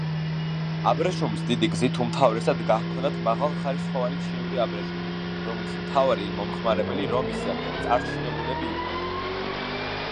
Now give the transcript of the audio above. აბრეშუმის დიდი გზით უმთავრესად გაჰქონდათ მაღალხარისხოვანი ჩინური აბრეშუმი, რომლის მთავარი მომხმარებელი რომის წარჩინებულები იყვნენ.